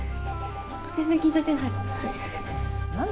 全然緊張してない？